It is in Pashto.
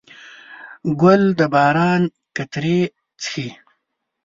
ګل د باران قطرې څښي.